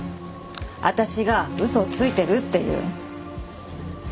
私が嘘をついてるっていう。